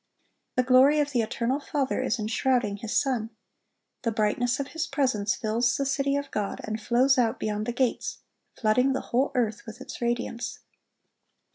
The glory of the Eternal Father is enshrouding His Son. The brightness of His presence fills the city of God, and flows out beyond the gates, flooding the whole earth with its radiance.